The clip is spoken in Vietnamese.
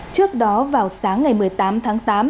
trước đó vào sáng ngày một mươi tám tháng tám